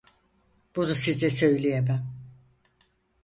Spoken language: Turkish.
Bunu size söyleyemem.